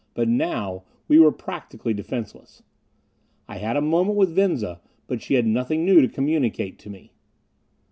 But now we were practically defenseless.... I had a moment with Venza, but she had nothing new to communicate to me.